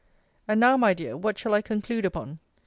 And now, my dear, what shall I conclude upon?